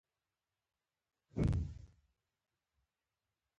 کېدای شي زه به هم په هغه والګي اخته شوې یم.